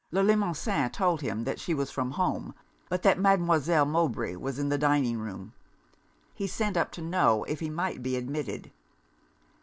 Le Limosin told him that she was from home, but that Mademoiselle Mowbray was in the dining room. He sent up to know if he might be admitted.